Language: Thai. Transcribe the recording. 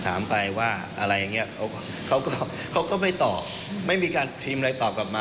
ถามไปว่าอะไรอย่างนี้